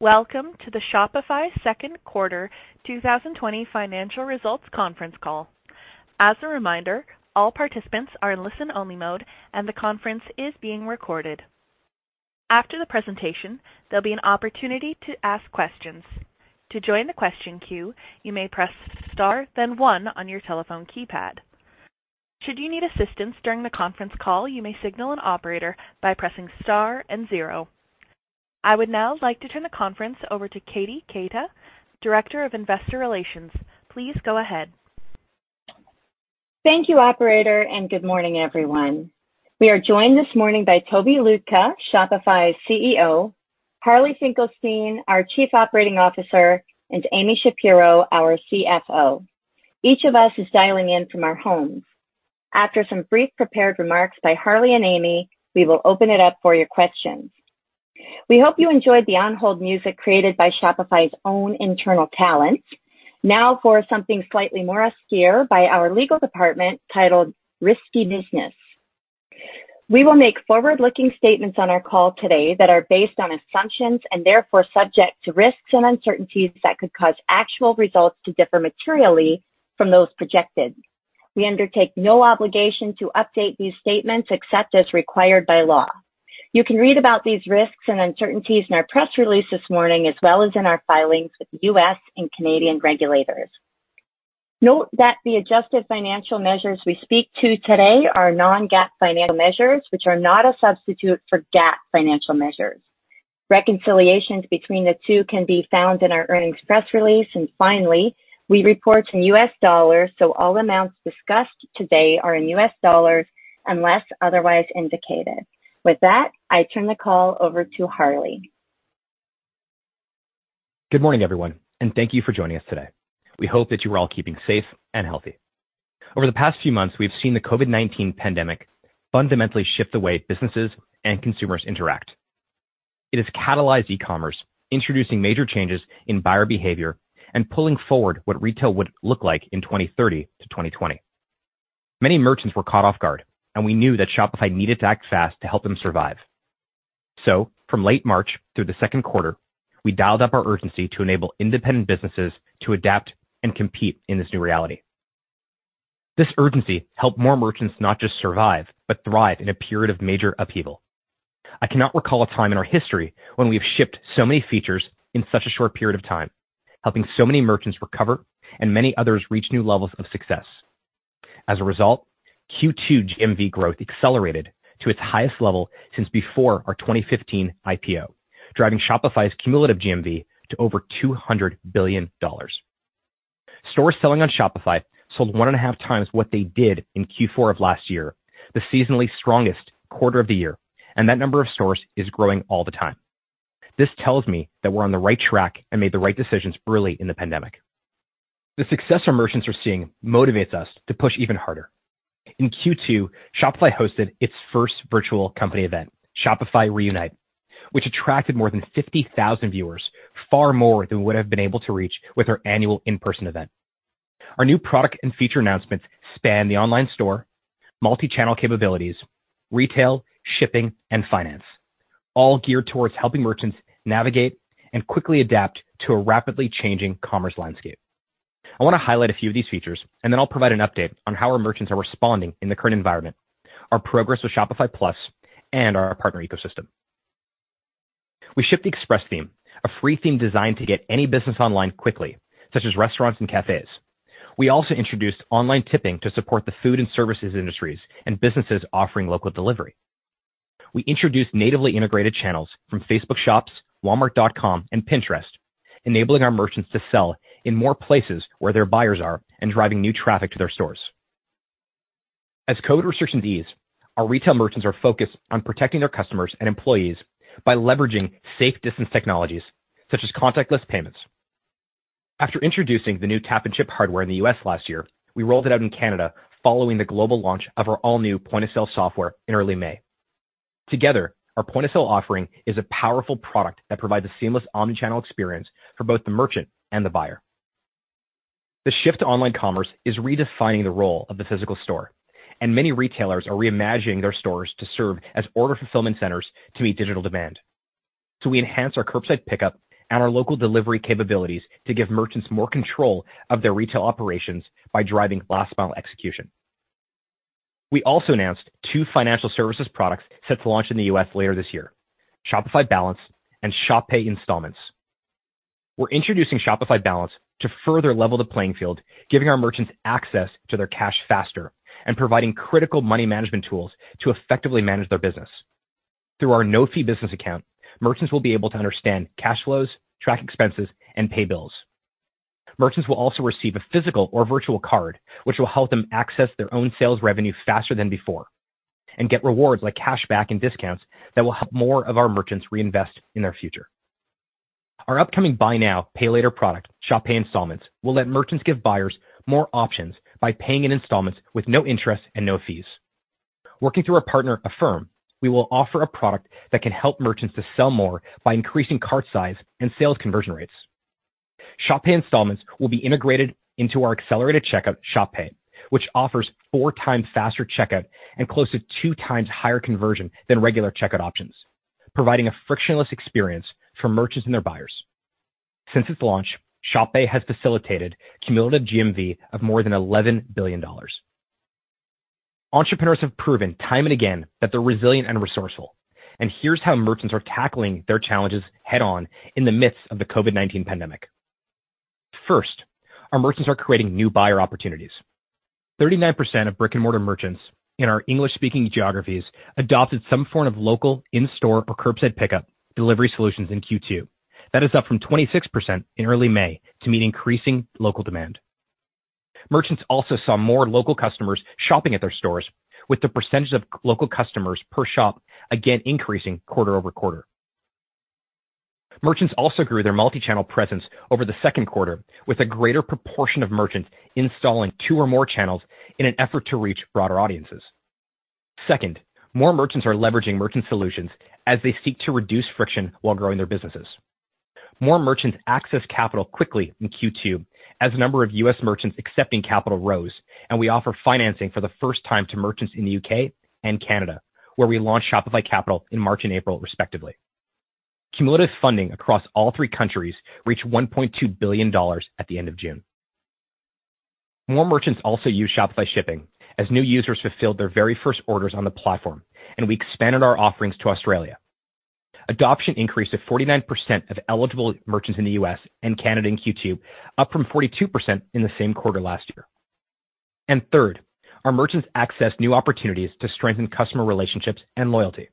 Welcome to the Shopify Q2 2020 financial results conference call. As a reminder, all participants are in listen-only mode, and the conference is being recorded. After the presentation, there'll be an opportunity to ask questions. I would now like to turn the conference over to Katie Keita, Director of Investor Relations. Please go ahead. Thank you, operator, and good morning, everyone. We are joined this morning by Tobi Lütke, Shopify's CEO, Harley Finkelstein, our Chief Operating Officer, and Amy Shapero, our CFO. Each of us is dialing in from our homes. After some brief prepared remarks by Harley and Amy, we will open it up for your questions. We hope you enjoyed the on-hold music created by Shopify's own internal talents. Now for something slightly more austere by our legal department titled Risky Business. We will make forward-looking statements on our call today that are based on assumptions and therefore subject to risks and uncertainties that could cause actual results to differ materially from those projected. We undertake no obligation to update these statements except as required by law. You can read about these risks and uncertainties in our press release this morning, as well as in our filings with the U.S. Canadian regulators. Note that the adjusted financial measures we speak to today are non-GAAP financial measures, which are not a substitute for GAAP financial measures. Reconciliations between the two can be found in our earnings press release. Finally, we report in U.S. dollars, so all amounts discussed today are in U.S. dollars unless otherwise indicated. With that, I turn the call over to Harley. Good morning, everyone, and thank you for joining us today. We hope that you are all keeping safe and healthy. Over the past few months, we've seen the COVID-19 pandemic fundamentally shift the way businesses and consumers interact. It has catalyzed e-commerce, introducing major changes in buyer behavior and pulling forward what retail would look like in 2030 to 2020. Many merchants were caught off guard, and we knew that Shopify needed to act fast to help them survive. From late March through the Q2, we dialed up our urgency to enable independent businesses to adapt and compete in this new reality. This urgency helped more merchants not just survive but thrive in a period of major upheaval. I cannot recall a time in our history when we have shipped so many features in such a short period of time, helping so many merchants recover and many others reach new levels of success. As a result, Q2 GMV growth accelerated to its highest level since before our 2015 IPO, driving Shopify's cumulative GMV to over $200 billion. Stores selling on Shopify sold 1.5x What they did in Q4 of last year, the seasonally strongest quarter of the year. That number of stores is growing all the time. This tells me that we're on the right track and made the right decisions early in the pandemic. The success our merchants are seeing motivates us to push even harder. In Q2, Shopify hosted its first virtual company event, Shopify Reunite, which attracted more than 50,000 viewers, far more than we would have been able to reach with our annual in-person event. Our new product and feature announcements span the online store, multi-channel capabilities, retail, shipping, and finance, all geared towards helping merchants navigate and quickly adapt to a rapidly changing commerce landscape. I want to highlight a few of these features, and then I'll provide an update on how our merchants are responding in the current environment, our progress with Shopify Plus, and our partner ecosystem. We shipped the Express theme, a free theme designed to get any business online quickly, such as restaurants and cafes. We also introduced online tipping to support the food and services industries and businesses offering local delivery. We introduced natively integrated channels from Facebook Shops, walmart.com, and Pinterest, enabling our merchants to sell in more places where their buyers are and driving new traffic to their stores. As COVID restrictions ease, our retail merchants are focused on protecting their customers and employees by leveraging safe distance technologies, such as contactless payments. After introducing the new tap-and-chip hardware in the U.S. last year, we rolled it out in Canada following the global launch of our all-new point-of-sale software in early May. Together, our point-of-sale offering is a powerful product that provides a seamless omnichannel experience for both the merchant and the buyer. The shift to online commerce is redefining the role of the physical store, and many retailers are reimagining their stores to serve as order fulfillment centers to meet digital demand. We enhanced our curbside pickup and our local delivery capabilities to give merchants more control of their retail operations by driving last-mile execution. We also announced two financial services products set to launch in the U.S. later this year, Shopify Balance and Shop Pay Installments. We're introducing Shopify Balance to further level the playing field, giving our merchants access to their cash faster and providing critical money management tools to effectively manage their business. Through our no-fee business account, merchants will be able to understand cash flows, track expenses, and pay bills. Merchants will also receive a physical or virtual card, which will help them access their own sales revenue faster than before and get rewards like cashback and discounts that will help more of our merchants reinvest in their future. Our upcoming buy now, pay later product, Shop Pay Installments, will let merchants give buyers more options by paying in installments with no interest and no fees. Working through our partner, Affirm, we will offer a product that can help merchants to sell more by increasing cart size and sales conversion rates. Shop Pay Installments will be integrated into our accelerated checkout, Shop Pay, which offers 4x faster checkout and close to 2x higher conversion than regular checkout options, providing a frictionless experience for merchants and their buyers. Since its launch, Shop Pay has facilitated cumulative GMV of more than $11 billion. Entrepreneurs have proven time and again that they're resilient and resourceful. Here's how merchants are tackling their challenges head-on in the midst of the COVID-19 pandemic. First, our merchants are creating new buyer opportunities. 39% of brick-and-mortar merchants in our English-speaking geographies adopted some form of local, in-store, or curbside pickup delivery solutions in Q2. That is up from 26% in early May to meet increasing local demand. Merchants also saw more local customers shopping at their stores, with the percentage of local customers per shop again increasing quarter-over-quarter. Merchants also grew their multi-channel presence over the Q2, with a greater proportion of merchants installing two or more channels in an effort to reach broader audiences. Second, more merchants are leveraging merchant solutions as they seek to reduce friction while growing their businesses. More merchants accessed capital quickly in Q2 as the number of U.S. merchants accepting capital rose, and we offer financing for the first time to merchants in the U.K. and Canada, where we launched Shopify Capital in March and April, respectively. Cumulative funding across all three countries reached $1.2 billion at the end of June. More merchants also used Shopify Shipping as new users fulfilled their very first orders on the platform. We expanded our offerings to Australia. Adoption increased to 49% of eligible merchants in the U.S. and Canada in Q2, up from 42% in the same quarter last year. Third, our merchants accessed new opportunities to strengthen customer relationships and loyalty.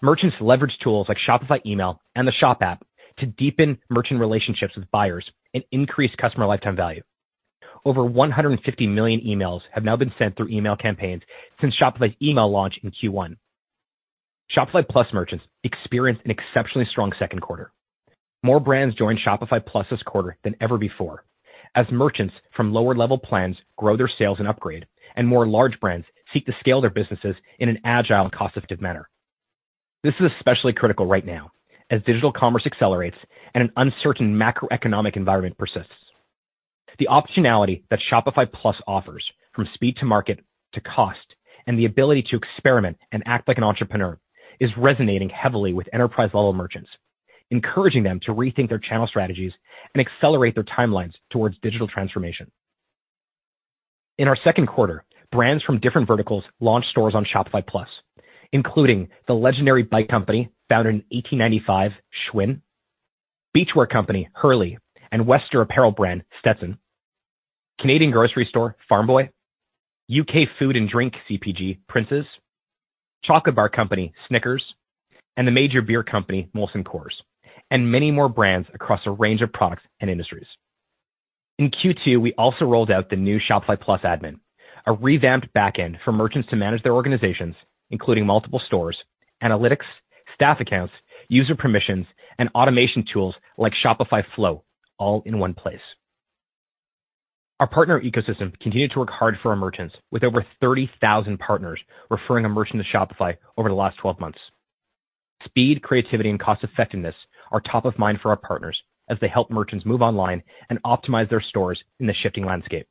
Merchants leveraged tools like Shopify Email and the Shop app to deepen merchant relationships with buyers and increase customer lifetime value. Over 150 million emails have now been sent through email campaigns since Shopify's email launch in Q1. Shopify Plus merchants experienced an exceptionally strong Q2. More brands joined Shopify Plus this quarter than ever before, as merchants from lower-level plans grow their sales and upgrade, and more large brands seek to scale their businesses in an agile and cost-effective manner. This is especially critical right now as digital commerce accelerates and an uncertain macroeconomic environment persists. The optionality that Shopify Plus offers, from speed to market to cost, and the ability to experiment and act like an entrepreneur, is resonating heavily with enterprise-level merchants, encouraging them to rethink their channel strategies and accelerate their timelines towards digital transformation. In our Q2, brands from different verticals launched stores on Shopify Plus, including the legendary bike company founded in 1895, Schwinn, beachwear company, Hurley, and Western apparel brand, Stetson, Canadian grocery store, Farm Boy, U.K. food and drink CPG, Princes, chocolate bar company, Snickers, and the major beer company, Molson Coors, and many more brands across a range of products and industries. In Q2, we also rolled out the new Shopify Plus admin, a revamped backend for merchants to manage their organizations, including multiple stores, analytics, staff accounts, user permissions, and automation tools like Shopify Flow, all in one place. Our partner ecosystem continued to work hard for our merchants, with over 30,000 partners referring a merchant to Shopify over the last 12 months. Speed, creativity, and cost-effectiveness are top of mind for our partners as they help merchants move online and optimize their stores in the shifting landscape.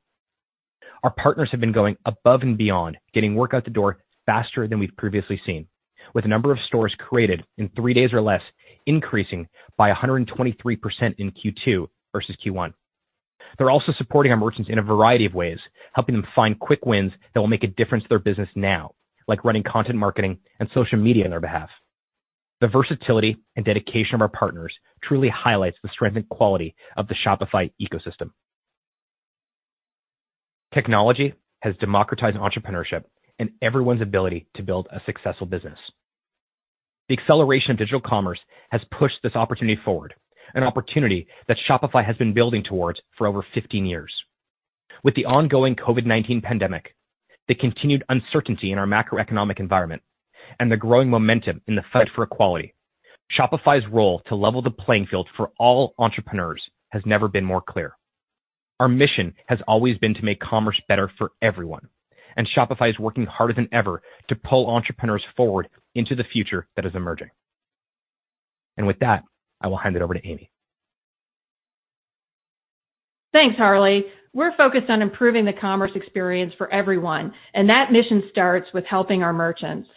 Our partners have been going above and beyond, getting work out the door faster than we've previously seen, with the number of stores created in three days or less increasing by 123% in Q2 versus Q1. They're also supporting our merchants in a variety of ways, helping them find quick wins that will make a difference to their business now, like running content marketing and social media on their behalf. The versatility and dedication of our partners truly highlights the strength and quality of the Shopify ecosystem. Technology has democratized entrepreneurship and everyone's ability to build a successful business. The acceleration of digital commerce has pushed this opportunity forward, an opportunity that Shopify has been building towards for over 15 years. With the ongoing COVID-19 pandemic, the continued uncertainty in our macroeconomic environment, and the growing momentum in the fight for equality, Shopify's role to level the playing field for all entrepreneurs has never been more clear. Our mission has always been to make commerce better for everyone, and Shopify is working harder than ever to pull entrepreneurs forward into the future that is emerging. With that, I will hand it over to Amy. Thanks, Harley. We're focused on improving the commerce experience for everyone, and that mission starts with helping our merchants.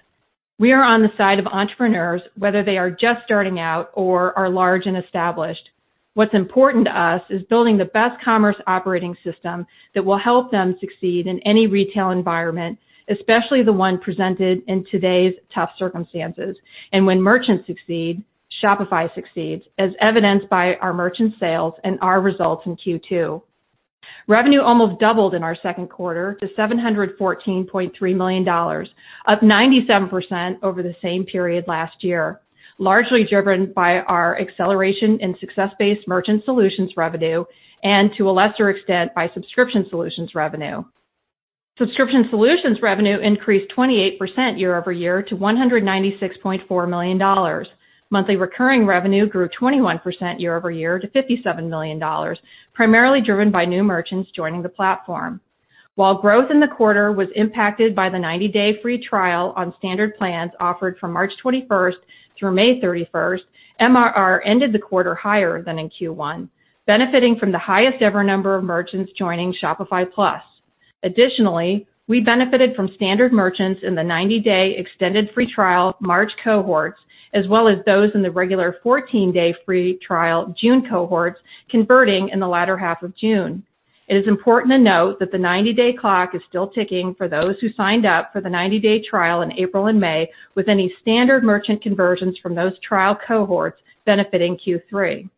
We are on the side of entrepreneurs, whether they are just starting out or are large and established. What's important to us is building the best commerce operating system that will help them succeed in any retail environment, especially the one presented in today's tough circumstances. When merchants succeed, Shopify succeeds, as evidenced by our merchant sales and our results in Q2. Revenue almost doubled in our Q2 to $714.3 million, up 97% over the same period last year, largely driven by our acceleration in success-based merchant solutions revenue and, to a lesser extent, by subscription solutions revenue. Subscription solutions revenue increased 28% year-over-year to $196.4 million. Monthly recurring revenue grew 21% year-over-year to $57 million, primarily driven by new merchants joining the platform. While growth in the quarter was impacted by the 90-day free trial on standard plans offered from March 21st through May 31st, MRR ended the quarter higher than in Q1, benefiting from the highest ever number of merchants joining Shopify Plus. Additionally, we benefited from standard merchants in the 90-day extended free trial March cohorts, as well as those in the regular 14-day free trial June cohorts converting in the latter half of June. It is important to note that the 90-day clock is still ticking for those who signed up for the 90-day trial in April and May, with any standard merchant conversions from those trial cohorts benefiting Q3.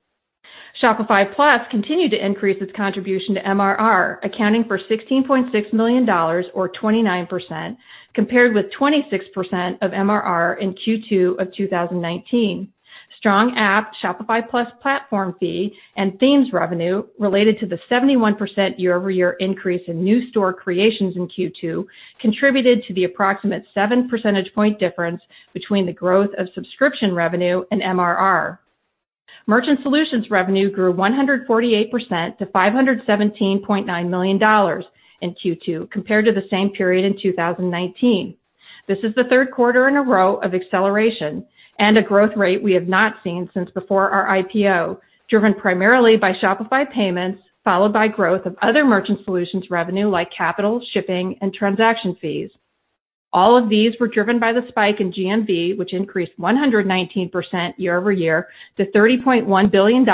Shopify Plus continued to increase its contribution to MRR, accounting for $16.6 million or 29%, compared with 26% of MRR in Q2 of 2019. Strong app, Shopify Plus platform fee, and themes revenue related to the 71% year-over-year increase in new store creations in Q2 contributed to the approximate 7 percentage point difference between the growth of subscription revenue and MRR. Merchant solutions revenue grew 148% to $517.9 million in Q2, compared to the same period in 2019. This is the Q3 in a row of acceleration and a growth rate we have not seen since before our IPO, driven primarily by Shopify Payments, followed by growth of other merchant solutions revenue like Capital, Shipping, and transaction fees. All of these were driven by the spike in GMV, which increased 119% year-over-year to $30.1 billion,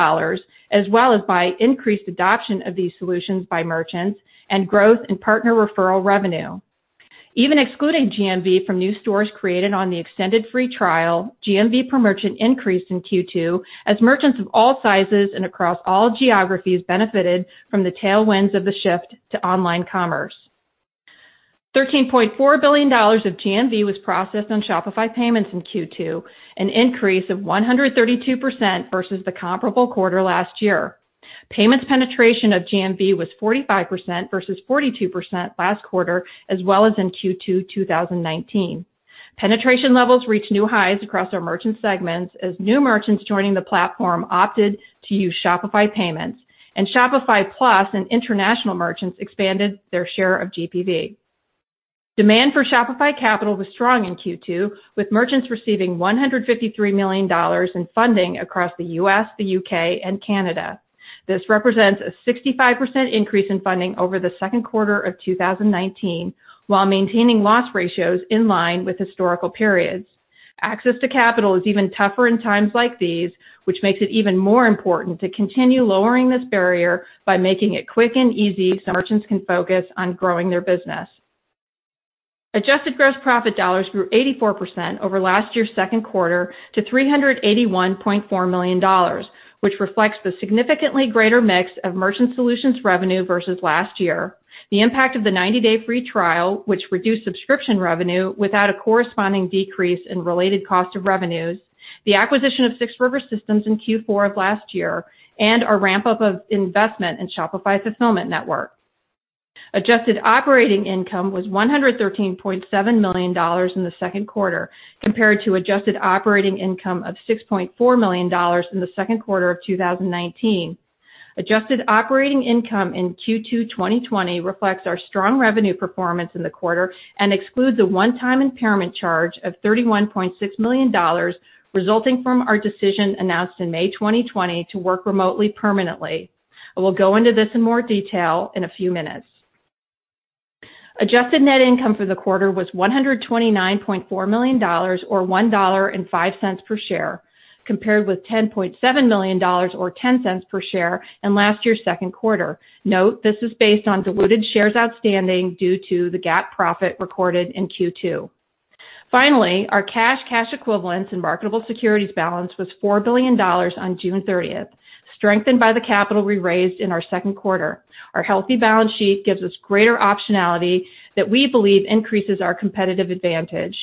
as well as by increased adoption of these solutions by merchants and growth in partner referral revenue. Even excluding GMV from new stores created on the extended free trial, GMV per merchant increased in Q2 as merchants of all sizes and across all geographies benefited from the tailwinds of the shift to online commerce. $13.4 billion of GMV was processed on Shopify Payments in Q2, an increase of 132% versus the comparable quarter last year. Payments penetration of GMV was 45% versus 42% last quarter as well as in Q2 2019. Penetration levels reached new highs across our merchant segments as new merchants joining the platform opted to use Shopify Payments, and Shopify Plus and international merchants expanded their share of GPV. Demand for Shopify Capital was strong in Q2, with merchants receiving $153 million in funding across the U.S., the U.K., and Canada. This represents a 65% increase in funding over the Q2 of 2019, while maintaining loss ratios in line with historical periods. Access to capital is even tougher in times like these, which makes it even more important to continue lowering this barrier by making it quick and easy so merchants can focus on growing their business. Adjusted gross profit dollars grew 84% over last year's Q2 to $381.4 million, which reflects the significantly greater mix of merchant solutions revenue versus last year. The impact of the 90-day free trial, which reduced subscription revenue without a corresponding decrease in related cost of revenues, the acquisition of 6 River Systems in Q4 of last year, and our ramp-up of investment in Shopify Fulfillment Network. Adjusted operating income was $113.7 million in the Q2 compared to adjusted operating income of $6.4 million in the Q2 of 2019. Adjusted operating income in Q2 2020 reflects our strong revenue performance in the quarter and excludes a one-time impairment charge of $31.6 million resulting from our decision announced in May 2020 to work remotely permanently. I will go into this in more detail in a few minutes. Adjusted net income for the quarter was $129.4 million or $1.05 per share, compared with $10.7 million or $0.10 per share in last year's Q2. Note this is based on diluted shares outstanding due to the GAAP profit recorded in Q2. Finally, our cash equivalents and marketable securities balance was $4 billion on June 30th, strengthened by the capital we raised in our Q2. Our healthy balance sheet gives us greater optionality that we believe increases our competitive advantage.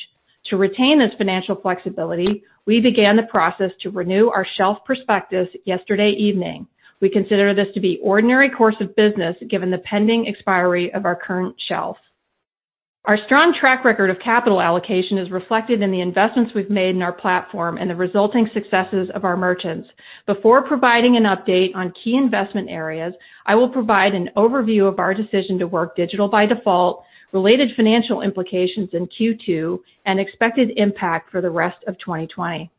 To retain this financial flexibility, we began the process to renew our shelf prospectus yesterday evening. We consider this to be ordinary course of business given the pending expiry of our current shelf. Our strong track record of capital allocation is reflected in the investments we've made in our platform and the resulting successes of our merchants. Before providing an update on key investment areas, I will provide an overview of our decision to work digital by default, related financial implications in Q2, and expected impact for the rest of 2020.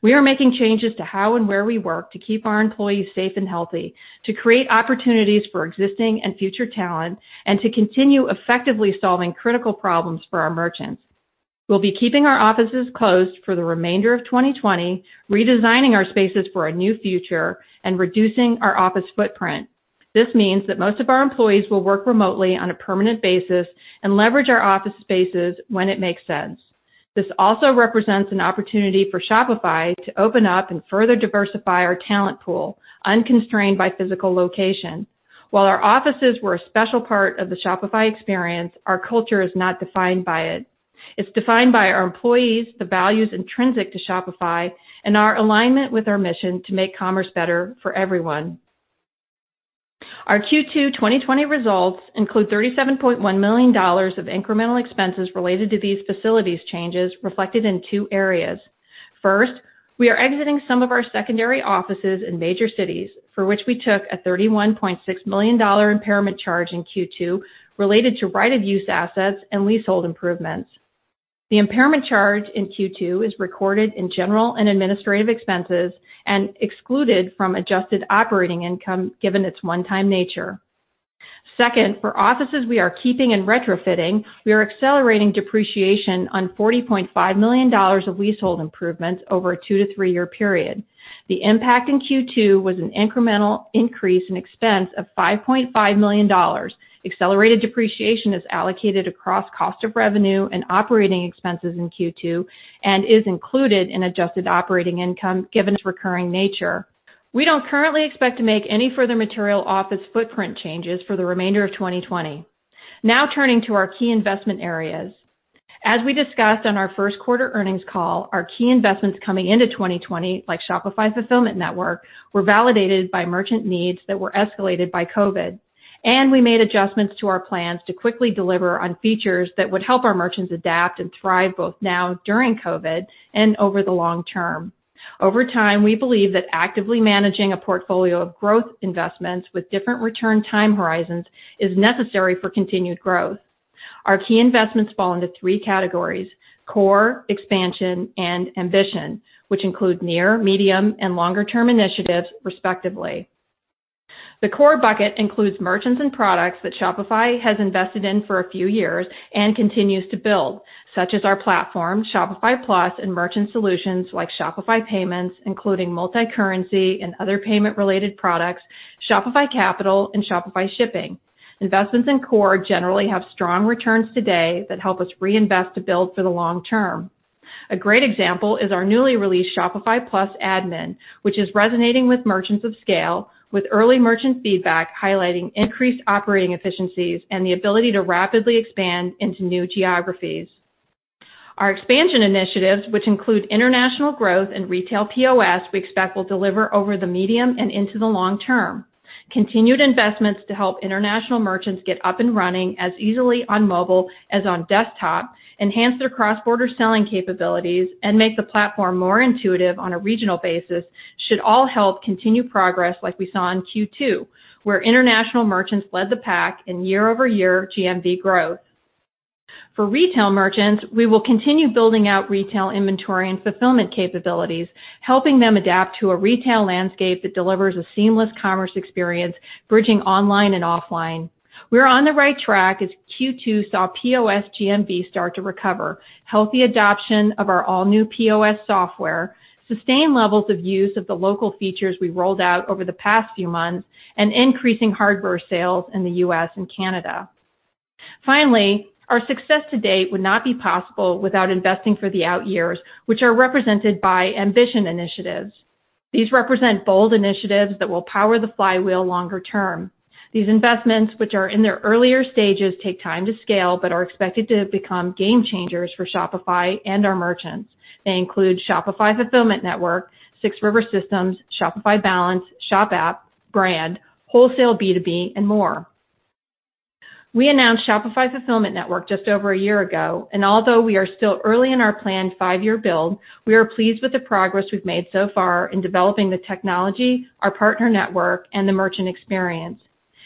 We are making changes to how and where we work to keep our employees safe and healthy, to create opportunities for existing and future talent, and to continue effectively solving critical problems for our merchants. We'll be keeping our offices closed for the remainder of 2020, redesigning our spaces for a new future, and reducing our office footprint. This means that most of our employees will work remotely on a permanent basis and leverage our office spaces when it makes sense. This also represents an opportunity for Shopify to open up and further diversify our talent pool, unconstrained by physical location. While our offices were a special part of the Shopify experience, our culture is not defined by it. It's defined by our employees, the values intrinsic to Shopify, and our alignment with our mission to make commerce better for everyone. Our Q2 2020 results include $37.1 million of incremental expenses related to these facilities changes reflected in 2 areas. First, we are exiting some of our secondary offices in major cities for which we took a $31.6 million impairment charge in Q2 related to right-of-use assets and leasehold improvements. The impairment charge in Q2 is recorded in general and administrative expenses and excluded from adjusted operating income given its one-time nature. Second, for offices we are keeping and retrofitting, we are accelerating depreciation on $40.5 million of leasehold improvements over a two to three-year period. The impact in Q2 was an incremental increase in expense of $5.5 million. Accelerated depreciation is allocated across cost of revenue and operating expenses in Q2 and is included in adjusted operating income given its recurring nature. We don't currently expect to make any further material office footprint changes for the remainder of 2020. Now turning to our key investment areas. As we discussed on our Q1 earnings call, our key investments coming into 2020, like Shopify Fulfillment Network, were validated by merchant needs that were escalated by COVID, we made adjustments to our plans to quickly deliver on features that would help our merchants adapt and thrive both now during COVID and over the long term. Over time, we believe that actively managing a portfolio of growth investments with different return time horizons is necessary for continued growth. Our key investments fall into three categories, core, expansion, and ambition, which include near, medium, and longer-term initiatives respectively. The core bucket includes merchants and products that Shopify has invested in for a few years and continues to build, such as our platform, Shopify Plus, and merchant solutions like Shopify Payments, including multicurrency and other payment-related products, Shopify Capital, and Shopify Shipping. Investments in core generally have strong returns today that help us reinvest to build for the long term. A great example is our newly released Shopify Plus admin, which is resonating with merchants of scale, with early merchant feedback highlighting increased operating efficiencies and the ability to rapidly expand into new geographies. Our expansion initiatives, which include international growth and retail POS, we expect will deliver over the medium and into the long term. Continued investments to help international merchants get up and running as easily on mobile as on desktop, enhance their cross-border selling capabilities, and make the platform more intuitive on a regional basis should all help continue progress like we saw in Q2, where international merchants led the pack in year-over-year GMV growth. For retail merchants, we will continue building out retail inventory and fulfillment capabilities, helping them adapt to a retail landscape that delivers a seamless commerce experience, bridging online and offline. We're on the right track as Q2 saw POS GMV start to recover, healthy adoption of our all-new POS software, sustained levels of use of the local features we've rolled out over the past few months, and increasing hardware sales in the U.S. and Canada. Finally, our success to date would not be possible without investing for the out years, which are represented by Ambition Initiatives. These represent bold initiatives that will power the flywheel longer term. These investments, which are in their earlier stages, take time to scale, but are expected to become game changers for Shopify and our merchants. They include Shopify Fulfillment Network, 6 River Systems, Shopify Balance, Shop App, Brand, Wholesale B2B, and more. Although we are still early in our planned five-year build, we are pleased with the progress we've made so far in developing the technology, our partner network, and the merchant experience.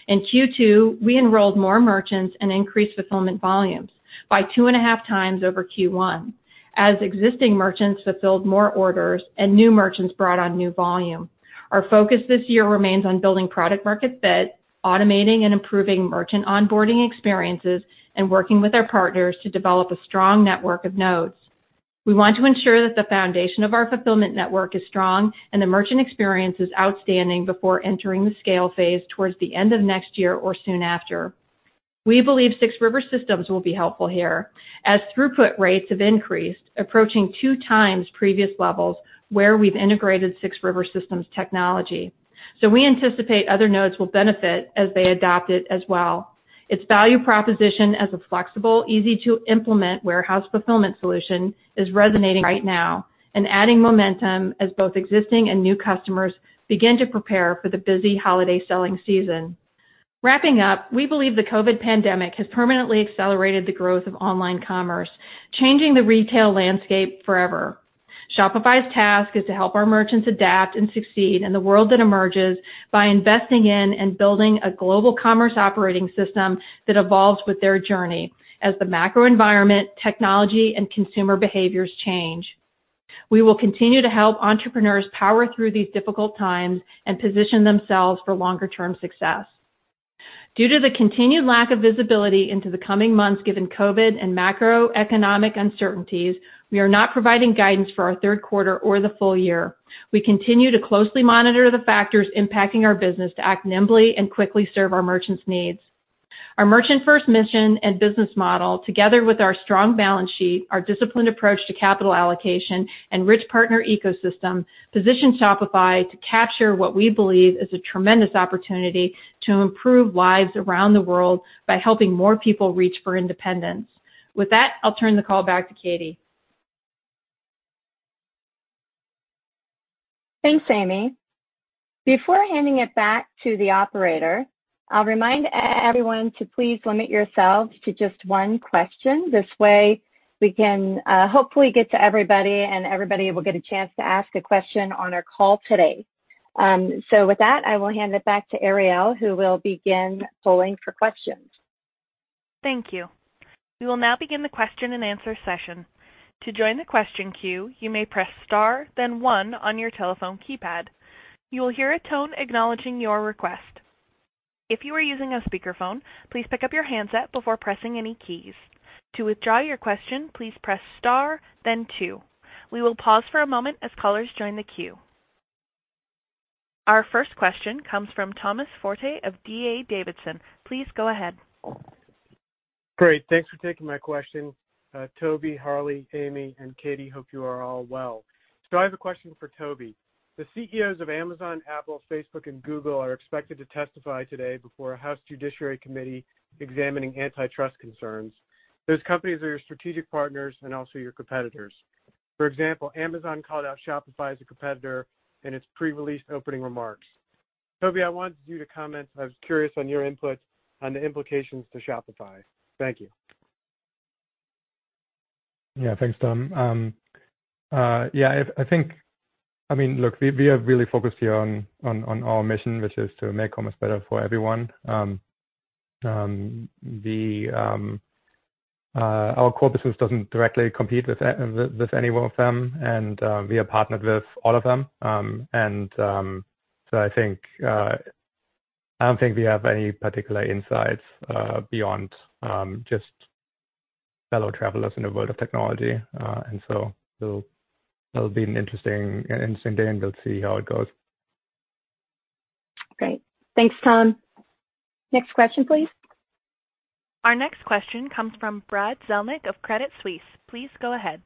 In Q2, we enrolled more merchants and increased fulfillment volumes by 2.5x Over Q1 as existing merchants fulfilled more orders and new merchants brought on new volume. Our focus this year remains on building product market fit, automating and improving merchant onboarding experiences, and working with our partners to develop a strong network of nodes. We want to ensure that the foundation of our fulfillment network is strong and the merchant experience is outstanding before entering the scale phase towards the end of next year or soon after. We believe 6 River Systems will be helpful here as throughput rates have increased, approaching 2x previous levels where we've integrated 6 River Systems technology. We anticipate other nodes will benefit as they adopt it as well. Its value proposition as a flexible, easy-to-implement warehouse fulfillment solution is resonating right now and adding momentum as both existing and new customers begin to prepare for the busy holiday selling season. Wrapping up, we believe the COVID pandemic has permanently accelerated the growth of online commerce, changing the retail landscape forever. Shopify's task is to help our merchants adapt and succeed in the world that emerges by investing in and building a global commerce operating system that evolves with their journey as the macro environment, technology, and consumer behaviors change. We will continue to help entrepreneurs power through these difficult times and position themselves for longer-term success. Due to the continued lack of visibility into the coming months given COVID-19 and macroeconomic uncertainties, we are not providing guidance for our Q3 or the full year. We continue to closely monitor the factors impacting our business to act nimbly and quickly serve our merchants' needs. Our merchant-first mission and business model, together with our strong balance sheet, our disciplined approach to capital allocation, and rich partner ecosystem, position Shopify to capture what we believe is a tremendous opportunity to improve lives around the world by helping more people reach for independence. With that, I'll turn the call back to Katie. Thanks, Amy. Before handing it back to the operator, I'll remind everyone to please limit yourselves to just one question. This way we can hopefully get to everybody, and everybody will get a chance to ask a question on our call today. With that, I will hand it back to Ariel, who will begin polling for questions. Thank you. We will now begin the question and answer session. To join the question queue, you may press star then one on your telephone keypad. You will hear a tone acknowledging your request. If you are using a speakerphone, please pick up your handset before pressing any keys. To withdraw your question, please press star then two. We will pause for a moment as callers join the queue. Our first question comes from Thomas Forte of D.A. Davidson. Please go ahead. Great. Thanks for taking my question. Tobi, Harley, Amy, and Katie, hope you are all well. I have a question for Tobi. The CEOs of Amazon, Apple, Facebook, and Google are expected to testify today before a House Judiciary Committee examining antitrust concerns. Those companies are your strategic partners and also your competitors. For example, Amazon called out Shopify as a competitor in its pre-release opening remarks. Tobi, I wanted you to comment. I was curious on your input on the implications to Shopify. Thank you. Yeah, thanks, Thomas. Yeah, I think, I mean, look, we are really focused here on our mission, which is to make commerce better for everyone. Our core business doesn't directly compete with any one of them, and we are partnered with all of them. I think, I don't think we have any particular insights, beyond just fellow travelers in the world of technology. It'll be an interesting day, and we'll see how it goes. Great. Thanks, Thomas. Next question, please. Our next question comes from Brad Zelnick of Credit Suisse. Please go ahead.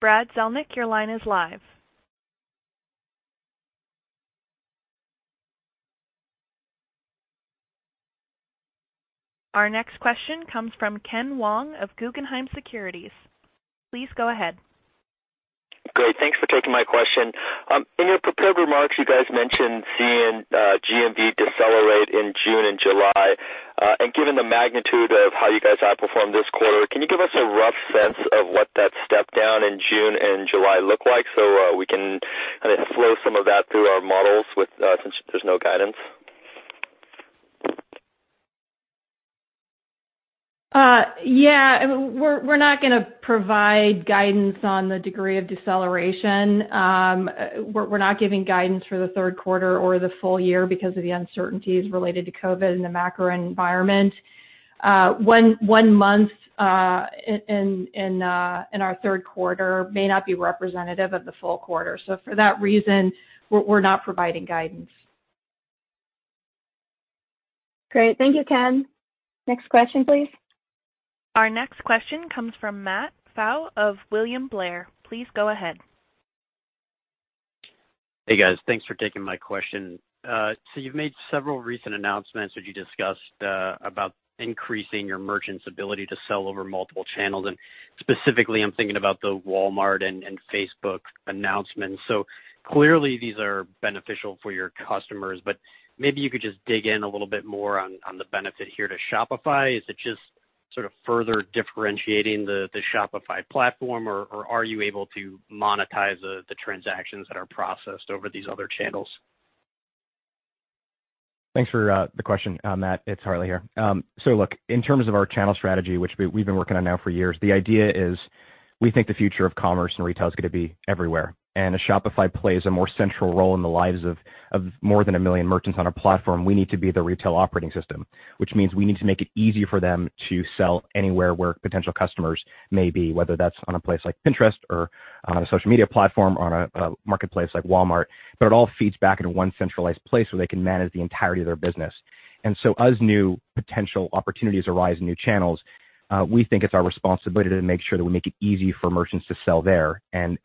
Brad Zelnick, your line is live. Our next question comes from Ken Wong of Guggenheim Securities. Please go ahead. Great. Thanks for taking my question. In your prepared remarks, you guys mentioned seeing GMV decelerate in June and July. Given the magnitude of how you guys outperformed this quarter, can you give us a rough sense of what that step down in June and July looked like so we can kind of flow some of that through our models with since there's no guidance? Yeah. I mean, we're not gonna provide guidance on the degree of deceleration. We're not giving guidance for the Q3 or the full year because of the uncertainties related to COVID and the macro environment. One month in our Q3 may not be representative of the full quarter. For that reason, we're not providing guidance. Great. Thank you, Ken. Next question, please. Our next question comes from Matthew Pfau of William Blair. Please go ahead. Hey, guys. Thanks for taking my question. You've made several recent announcements that you discussed about increasing your merchants' ability to sell over multiple channels, and specifically, I'm thinking about the Walmart and Facebook announcements. Clearly these are beneficial for your customers, but maybe you could just dig in a little bit more on the benefit here to Shopify. Is it just sort of further differentiating the Shopify platform, or are you able to monetize the transactions that are processed over these other channels? Thanks for the question, Matthew Pfau. It's Harley Finkelstein here. Look, in terms of our channel strategy, which we've been working on now for years, the idea is we think the future of commerce and retail is gonna be everywhere. As Shopify plays a more central role in the lives of more than a million merchants on our platform, we need to be the retail operating system. Which means we need to make it easier for them to sell anywhere where potential customers may be, whether that's on a place like Pinterest or on a social media platform or on a marketplace like Walmart. It all feeds back into one centralized place where they can manage the entirety of their business. As new potential opportunities arise in new channels, we think it's our responsibility to make sure that we make it easy for merchants to sell there and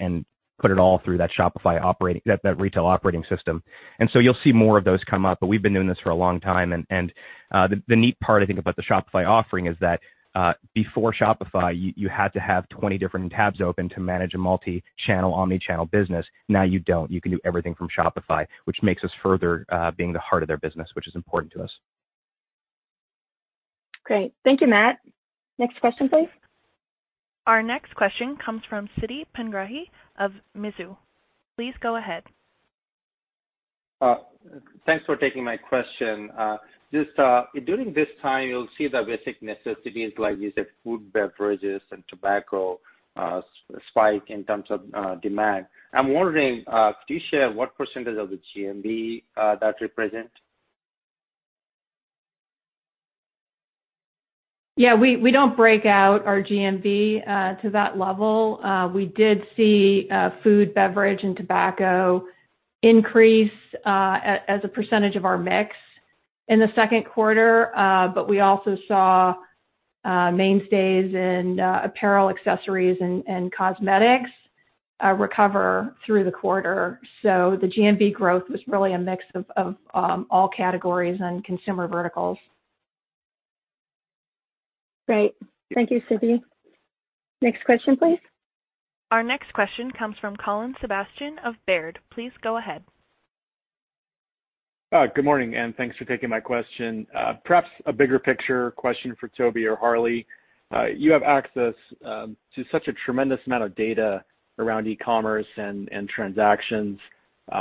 put it all through that Shopify operating, that retail operating system. You'll see more of those come up, but we've been doing this for a long time. The neat part, I think, about the Shopify offering is that before Shopify, you had to have 20 different tabs open to manage a multi-channel, omni-channel business. Now you don't. You can do everything from Shopify, which makes us further being the heart of their business, which is important to us. Great. Thank you, Matthew. Next question, please. Our next question comes from Siti Panigrahi of Mizuho. Please go ahead. Thanks for taking my question. Just during this time, you'll see the basic necessities like, you said, food, beverages, and tobacco, spike in terms of demand. I'm wondering, could you share what percentage of the GMV that represent? Yeah, we don't break out our GMV to that level. We did see food, beverage, and tobacco increase as a percentage of our mix in the Q2. But we also saw mainstays in apparel, accessories, and cosmetics recover through the quarter. The GMV growth was really a mix of all categories and consumer verticals. Great. Thank you, Siti. Next question, please. Our next question comes from Colin Sebastian of Baird. Please go ahead. Good morning, and thanks for taking my question. Perhaps a bigger picture question for Tobi or Harley. You have access to such a tremendous amount of data around e-commerce and transactions.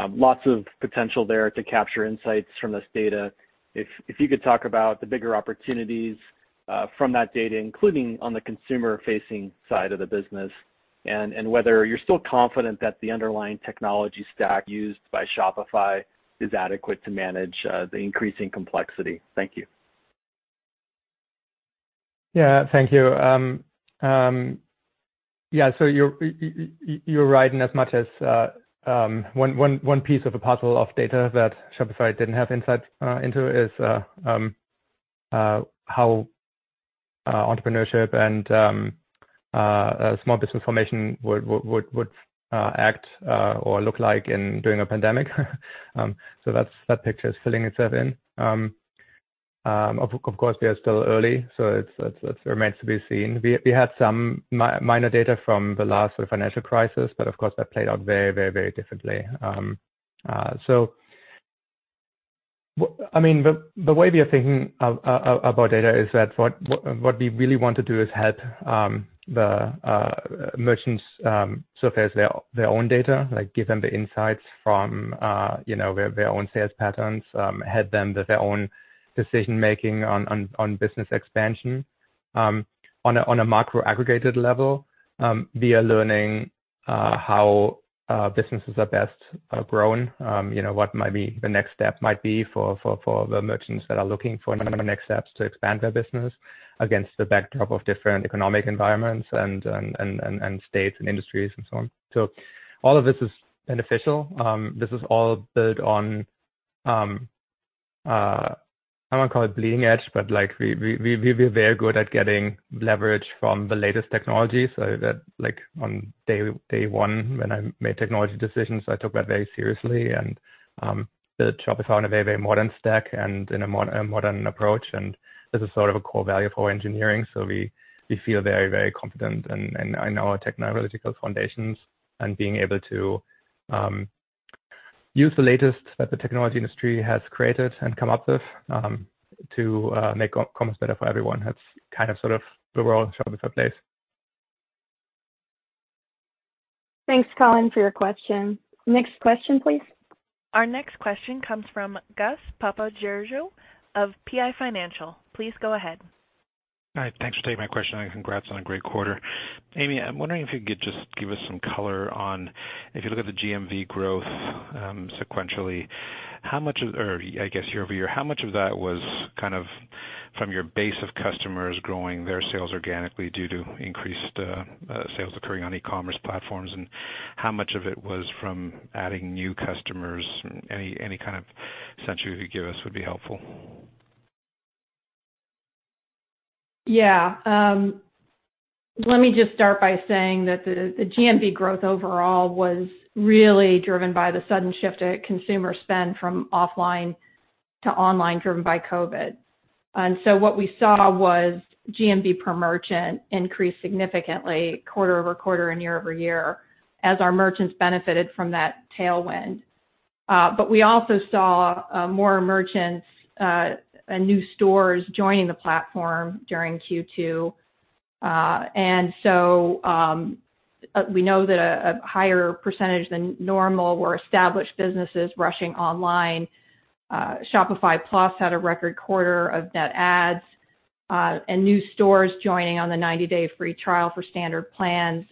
Lots of potential there to capture insights from this data. If you could talk about the bigger opportunities from that data, including on the consumer-facing side of the business, and whether you're still confident that the underlying technology stack used by Shopify is adequate to manage the increasing complexity. Thank you. Yeah. Thank you. You're right in as much as one piece of a puzzle of data that Shopify didn't have insight into is how entrepreneurship and small business formation would act or look like in during a pandemic. That picture is filling itself in. Of course, we are still early, it remains to be seen. We had some minor data from the last sort of financial crisis, of course that played out very differently. I mean, the way we are thinking about data is that what we really want to do is help the merchants surface their own data, like give them the insights from, you know, their own sales patterns, help them with their own decision-making on business expansion. On a macro aggregated level, we are learning how businesses are best grown. You know, what might be the next step might be for the merchants that are looking for the next steps to expand their business against the backdrop of different economic environments and states and industries and so on. All of this is beneficial. This is all built on, I don't wanna call it bleeding edge, but, like, we're very good at getting leverage from the latest technology so that like on day one, when I made technology decisions, I took that very seriously. Built Shopify on a very modern stack and in a modern approach. This is sort of a core value for engineering. We feel very confident in our technological foundations and being able to use the latest that the technology industry has created and come up with to make commerce better for everyone. That's kind of sort of the role Shopify plays. Thanks, Colin, for your question. Next question, please. Our next question comes from Gus Papageorgiou of PI Financial. Please go ahead. Hi. Thanks for taking my question, and congrats on a great quarter. Amy, I'm wondering if you could just give us some color on, if you look at the GMV growth, sequentially, how much of or I guess year-over-year, how much of that was kind of from your base of customers growing their sales organically due to increased sales occurring on e-commerce platforms, and how much of it was from adding new customers? Any kind of sense you could give us would be helpful. Yeah. Let me just start by saying that the GMV growth overall was really driven by the sudden shift of consumer spend from offline to online, driven by COVID. What we saw was GMV per merchant increased significantly quarter-over-quarter and year-over-year as our merchants benefited from that tailwind. We also saw more merchants and new stores joining the platform during Q2. We know that a higher % than normal were established businesses rushing online. Shopify Plus had a record quarter of net adds and new stores joining on the 90-day free trial for standard plans.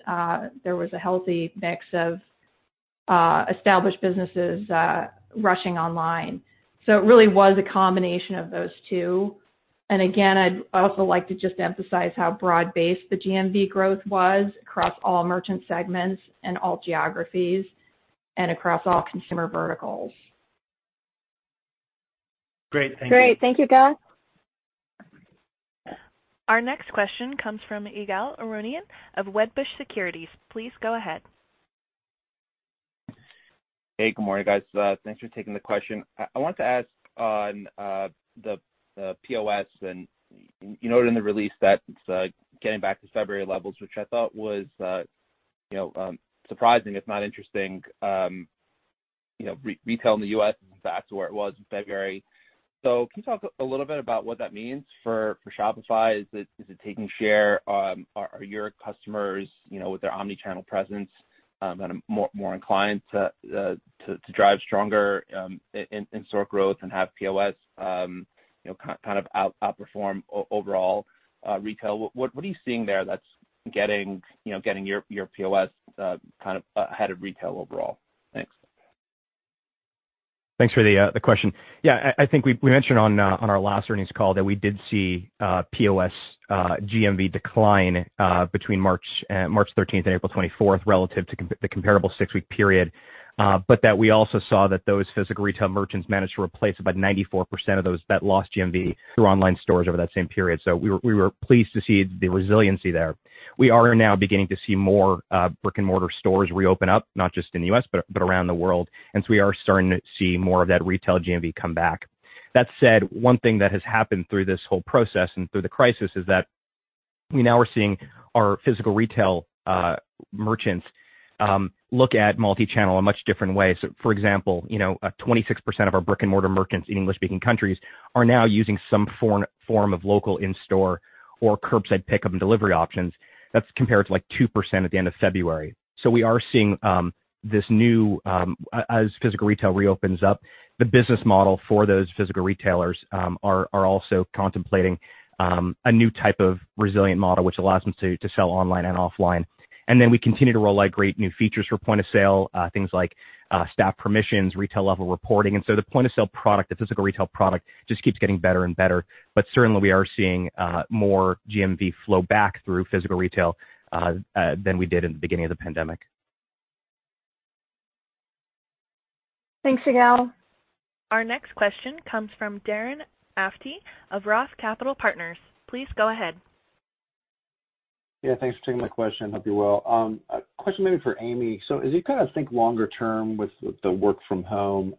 There was a healthy mix of established businesses rushing online. It really was a combination of those two. Again, I'd also like to just emphasize how broad-based the GMV growth was across all merchant segments and all geographies and across all consumer verticals. Great. Thank you. Great. Thank you, Gus. Our next question comes from Ygal Arounian of Wedbush Securities. Please go ahead. Hey, good morning, guys. Thanks for taking the question. I want to ask on the POS and, you know, in the release that it's getting back to February levels, which I thought was, you know, surprising, if not interesting. You know, retail in the U.S. is back to where it was in February. Can you talk a little bit about what that means for Shopify? Is it taking share? Are your customers, you know, with their omni-channel presence, kind of more inclined to drive stronger in-store growth and have POS, you know, kind of outperform overall retail? What are you seeing there that's getting, you know, getting your POS kind of ahead of retail overall? Thanks. Thanks for the question. Yeah, I think we mentioned on our last earnings call that we did see POS GMV decline between March 13th and April 24th relative to the comparable six-week period. We also saw that those physical retail merchants managed to replace about 94% of those that lost GMV through online stores over that same period. We were pleased to see the resiliency there. We are now beginning to see more brick-and-mortar stores reopen up, not just in the U.S., but around the world, we are starting to see more of that retail GMV come back. That said, one thing that has happened through this whole process and through the crisis, we're seeing our physical retail merchants look at multi-channel a much different way. For example, you know, 26% of our brick-and-mortar merchants in English-speaking countries are now using some form of local in-store or curbside pickup and delivery options. That's compared to, like, 2% at the end of February. We are seeing this new as physical retail reopens up, the business model for those physical retailers are also contemplating a new type of resilient model which allows them to sell online and offline. We continue to roll out great new features for point-of-sale, things like staff permissions, retail-level reporting. The point-of-sale product, the physical retail product just keeps getting better and better. Certainly, we are seeing more GMV flow back through physical retail than we did in the beginning of the pandemic. Thanks, Ygal. Our next question comes from Darren Aftahi of Roth Capital Partners. Please go ahead. Yeah, thanks for taking my question. Hope you're well. A question maybe for Amy. As you kind of think longer term with the work from home,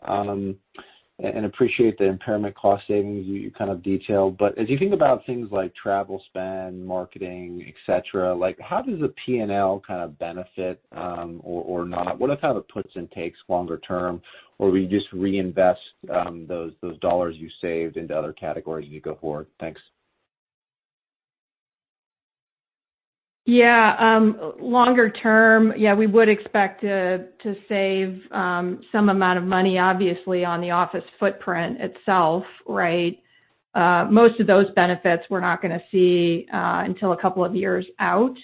and appreciate the impairment cost savings you kind of detailed. As you think about things like travel spend, marketing, et cetera, like how does the P&L kind of benefit, or not? What are kind of the puts and takes longer term, or will you just reinvest those dollars you saved into other categories as you go forward? Thanks. Longer term, we would expect to save some amount of money, obviously, on the office footprint itself, right. Most of those benefits we're not going to see until a couple of years out.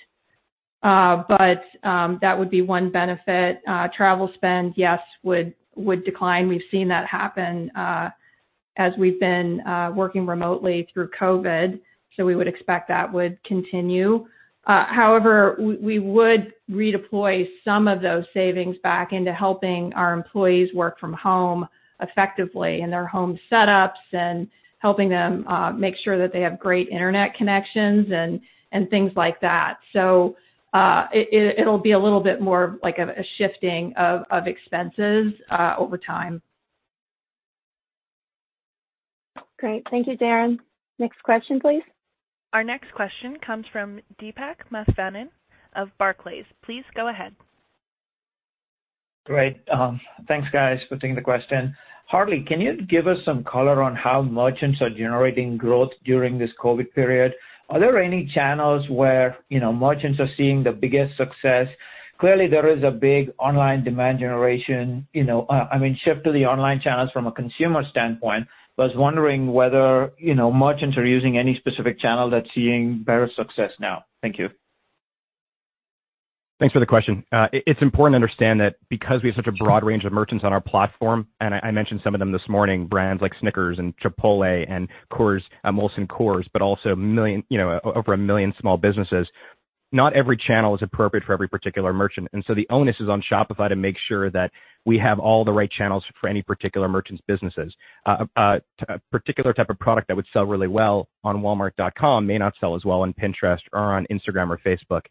That would be 1 benefit. Travel spend would decline. We've seen that happen as we've been working remotely through COVID-19, we would expect that would continue. However, we would redeploy some of those savings back into helping our employees work from home effectively in their home setups and helping them make sure that they have great internet connections and things like that. It'll be a little bit more of like a shifting of expenses over time. Great. Thank you, Darren. Next question, please. Our next question comes from Deepak Mathivanan of Barclays. Please go ahead. Great. Thanks guys for taking the question. Harley, can you give us some color on how merchants are generating growth during this COVID period? Are there any channels where, you know, merchants are seeing the biggest success? Clearly, there is a big online demand generation, you know, I mean, shift to the online channels from a consumer standpoint. I was wondering whether, you know, merchants are using any specific channel that's seeing better success now. Thank you. Thanks for the question. It's important to understand that because we have such a broad range of merchants on our platform, and I mentioned some of them this morning, brands like Snickers and Chipotle and Molson Coors, but also over 1 million small businesses, not every channel is appropriate for every particular merchant. The onus is on Shopify to make sure that we have all the right channels for any particular merchant's businesses. A particular type of product that would sell really well on walmart.com may not sell as well on Pinterest or on Instagram or Facebook.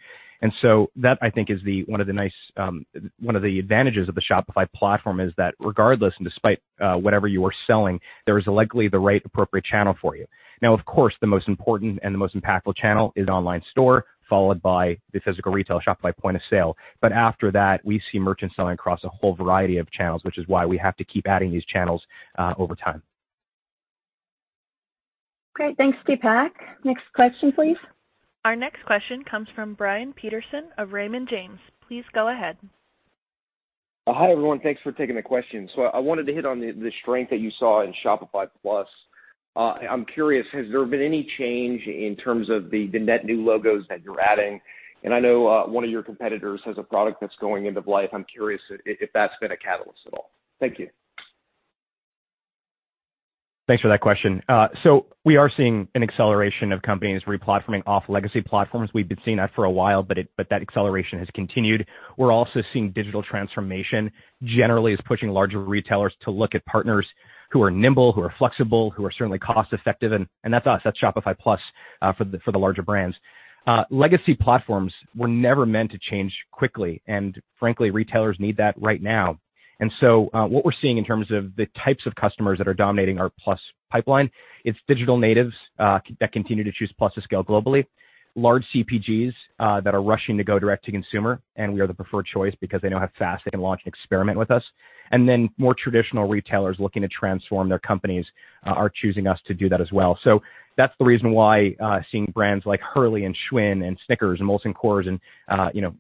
That I think is the one of the nice advantages of the Shopify platform is that regardless and despite whatever you are selling, there is likely the right appropriate channel for you. Of course, the most important and the most impactful channel is online store, followed by the physical retail Shopify Point of Sale. After that, we see merchants selling across a whole variety of channels, which is why we have to keep adding these channels over time. Great. Thanks, Deepak. Next question, please. Our next question comes from Brian Peterson of Raymond James. Please go ahead. Hi, everyone. Thanks for taking the question. I wanted to hit on the strength that you saw in Shopify Plus. I'm curious, has there been any change in terms of the net new logos that you're adding? I know one of your competitors has a product that's going end of life. I'm curious if that's been a catalyst at all. Thank you. Thanks for that question. We are seeing an acceleration of companies replatforming off legacy platforms. We've been seeing that for a while, but that acceleration has continued. We're also seeing digital transformation generally is pushing larger retailers to look at partners who are nimble, who are flexible, who are certainly cost-effective, and that's us. That's Shopify Plus for the larger brands. Legacy platforms were never meant to change quickly, frankly, retailers need that right now. What we're seeing in terms of the types of customers that are dominating our Plus pipeline, it's digital natives that continue to choose Plus to scale globally, large CPGs that are rushing to go direct to consumer, and we are the preferred choice because they know how fast they can launch and experiment with us, and then more traditional retailers looking to transform their companies are choosing us to do that as well. That's the reason why, seeing brands like Hurley and Schwinn and Snickers and Molson Coors and, you know,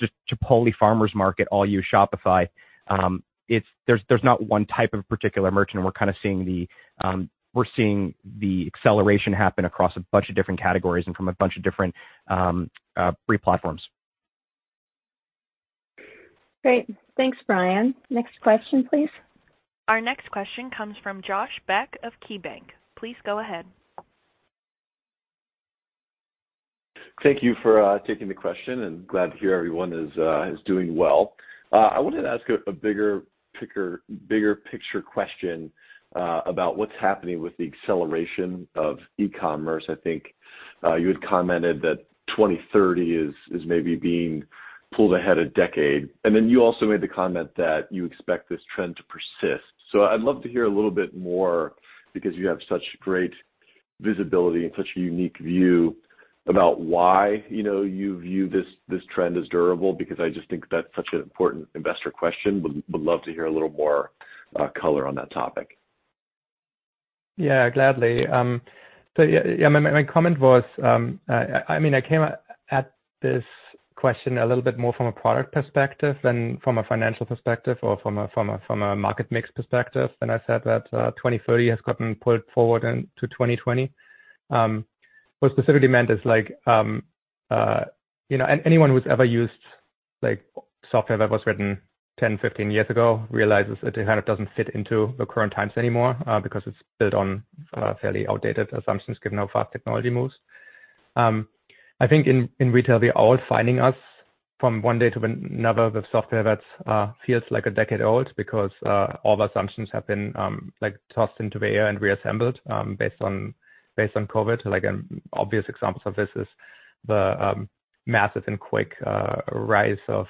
just Chipotle Farmers Market all use Shopify. It's, there's not one type of particular merchant, and we're kind of seeing the, we're seeing the acceleration happen across a bunch of different categories and from a bunch of different replatforms. Great. Thanks, Brian. Next question, please. Our next question comes from Josh Beck of KeyBanc Capital Markets. Please go ahead. Thank you for taking the question, and glad to hear everyone is doing well. I wanted to ask a bigger picture question about what's happening with the acceleration of e-commerce. I think you had commented that 2030 is maybe being pulled ahead a decade. You also made the comment that you expect this trend to persist. I'd love to hear a little bit more, because you have such great visibility and such a unique view about why, you know, you view this trend as durable, because I just think that's such an important investor question. Would love to hear a little more color on that topic. Yeah, gladly. My comment was, I mean, I came at this question a little bit more from a product perspective than from a financial perspective or from a market mix perspective. I said that 2030 has gotten pulled forward into 2020. What specifically meant is like, you know, and anyone who's ever used like software that was written 10, 15 years ago realizes that it kind of doesn't fit into the current times anymore because it's built on fairly outdated assumptions given how fast technology moves. I think in retail, we're all finding us from one day to another with software that's feels like a decade old because all the assumptions have been like, tossed into the air and reassembled based on COVID. Like, an obvious example of this is the massive and quick rise of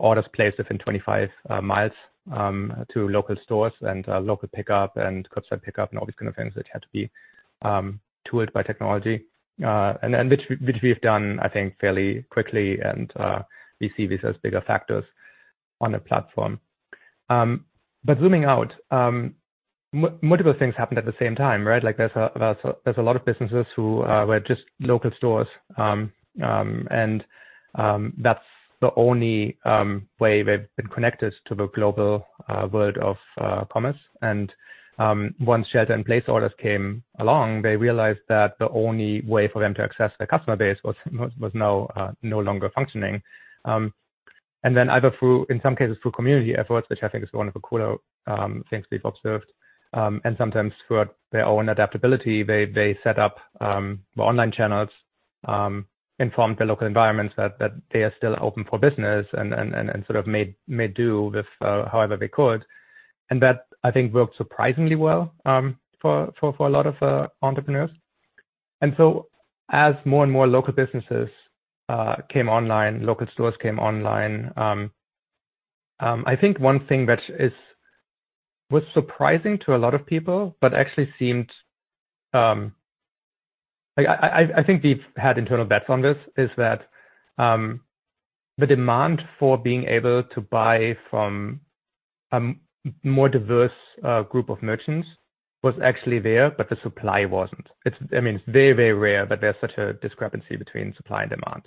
orders placed within 25 miles to local stores and local pickup and curbside pickup and all these kind of things that had to be tooled by technology. And which we have done, I think, fairly quickly and we see this as bigger factors on the platform. Zooming out, multiple things happened at the same time, right? Like there's a lot of businesses who were just local stores. That's the only way they've been connected to the global world of commerce. Once shelter-in-place orders came along, they realized that the only way for them to access their customer base was now no longer functioning. Then either through, in some cases through community efforts, which I think is one of the cooler things we've observed, and sometimes through their own adaptability, they set up online channels, informed the local environments that they are still open for business and sort of made do with however they could. That, I think, worked surprisingly well for a lot of entrepreneurs. As more and more local businesses came online, local stores came online, I think one thing that was surprising to a lot of people but actually seemed, Like I think we've had internal bets on this, is that, the demand for being able to buy from a more diverse group of merchants was actually there, but the supply wasn't. I mean, it's very rare that there's such a discrepancy between supply and demand.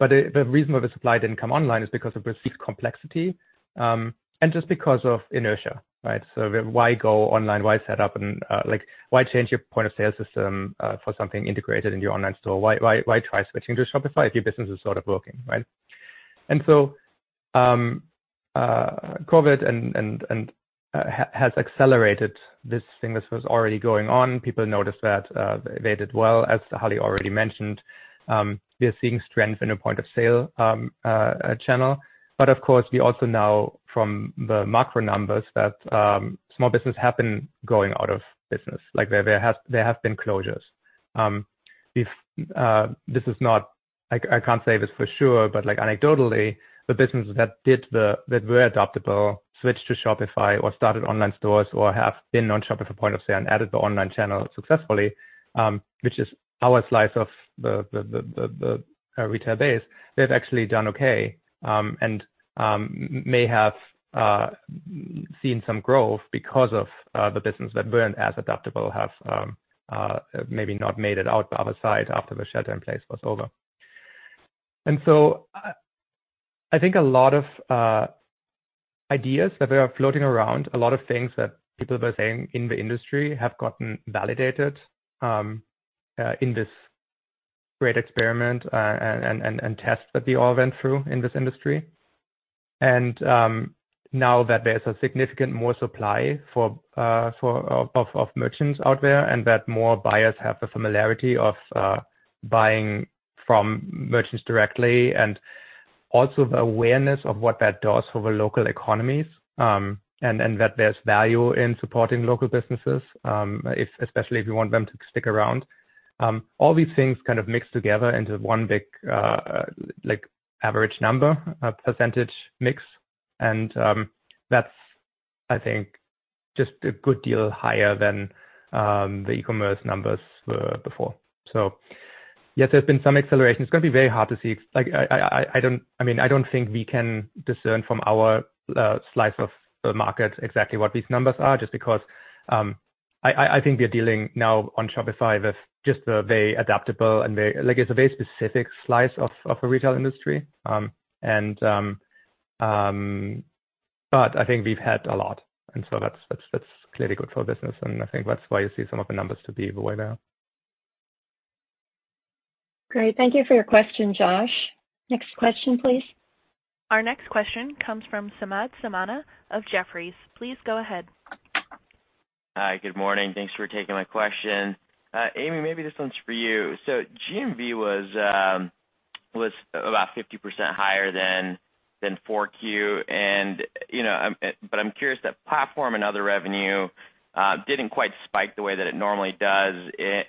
The reason why the supply didn't come online is because of perceived complexity, and just because of inertia, right? Why go online? Why set up and, like, why change your point-of-sale system for something integrated in your online store? Why try switching to Shopify if your business is sort of working, right? COVID has accelerated this thing that was already going on. People noticed that they did well. As Harley already mentioned, we are seeing strength in a point-of-sale channel. Of course, we also know from the macro numbers that small business have been going out of business. Like there have been closures. If this is not, I can't say this for sure, but like anecdotally, the businesses that were adaptable, switched to Shopify or started online stores or have been on Shopify POS and added the online channel successfully, which is our slice of the retail base, they've actually done okay, and may have seen some growth because of the business that weren't as adaptable have maybe not made it out the other side after the shelter-in-place was over. I think a lot of ideas that were floating around, a lot of things that people were saying in the industry have gotten validated in this great experiment and test that we all went through in this industry. Now that there's a significant more supply for of merchants out there and that more buyers have the familiarity of buying from merchants directly and also the awareness of what that does for the local economies, and that there's value in supporting local businesses, if, especially if you want them to stick around. All these things kind of mix together into one big like average number percentage mix. That's, I think, just a good deal higher than the e-commerce numbers were before. Yes, there's been some acceleration. It's gonna be very hard to see. Like I don't, I mean, I don't think we can discern from our slice of the market exactly what these numbers are just because I think we are dealing now on Shopify with just a very adaptable and very. Like it's a very specific slice of a retail industry. I think we've had a lot. That's clearly good for business and I think that's why you see some of the numbers to be the way they are. Great. Thank you for your question, Josh. Next question, please. Our next question comes from Samad Samana of Jefferies. Please go ahead. Hi, good morning. Thanks for taking my question. Amy Shapero, maybe this one's for you. GMV was about 50% higher than 4Q. You know, I'm curious that platform and other revenue didn't quite spike the way that it normally does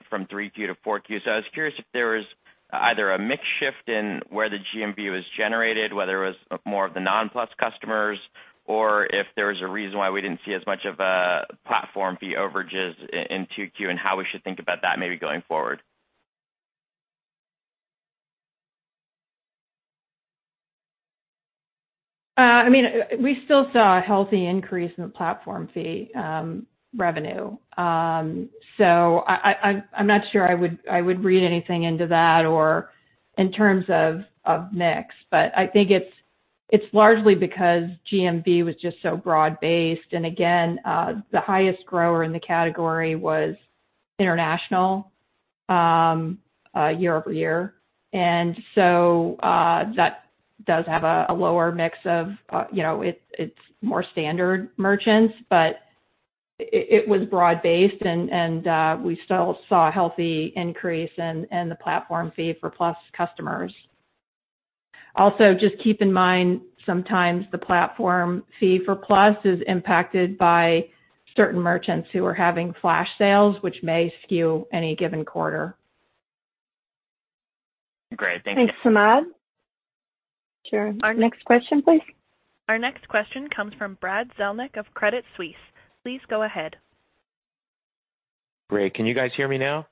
from 3Q to 4Q. I was curious if there was either a mix shift in where the GMV was generated, whether it was more of the non-Plus customers, or if there was a reason why we didn't see as much of a platform fee overages in 2Q, and how we should think about that maybe going forward. I mean, we still saw a healthy increase in the platform fee revenue. I'm not sure I would read anything into that or in terms of mix. I think it's largely because GMV was just so broad-based. Again, the highest grower in the category was international year-over-year. That does have a lower mix of, you know, it's more standard merchants, but it was broad-based and we still saw a healthy increase in the platform fee for Plus customers. Also, just keep in mind, sometimes the platform fee for Plus is impacted by certain merchants who are having flash sales, which may skew any given quarter. Great. Thank you. Thanks, Samad. Sure. Next question, please. Our next question comes from Brad Zelnick of Credit Suisse. Please go ahead. Great. Can you guys hear me now?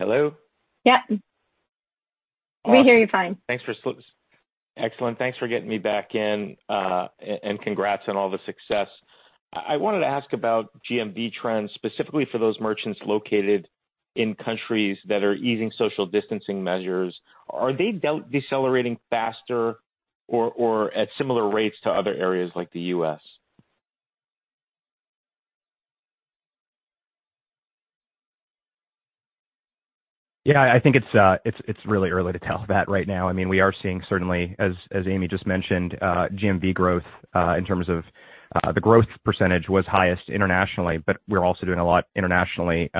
Hello? Yeah. Awesome. We hear you fine. Excellent. Thanks for getting me back in, and congrats on all the success. I wanted to ask about GMV trends, specifically for those merchants located in countries that are easing social distancing measures. Are they decelerating faster or at similar rates to other areas like the U.S.? I think it's really early to tell that right now. I mean, we are seeing certainly, as Amy just mentioned, GMV growth, in terms of the growth percentage was highest internationally, but we're also doing a lot internationally